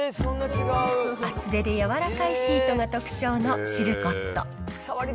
厚手でやわらかいシートが特徴のシルコット。